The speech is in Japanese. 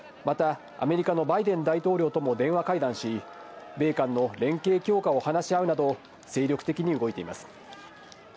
また、アメリカのバイデン大統領とも電話会談し、米韓の連携強化を話し合うなど、精力的に動いています。